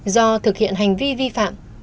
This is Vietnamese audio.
do thực hiện hành vi vi phạm